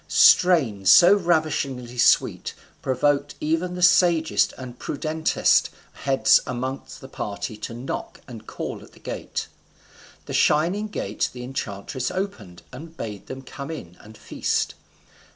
Strains so ravishingly sweet provoked even the sagest and prudentest heads among the party to knock and call at the gate. The shining gate the enchantress opened, and bade them come in and feast.